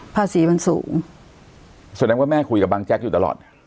ภาษีมันสูงแสดงว่าแม่คุยกับบางแจ๊กอยู่ตลอด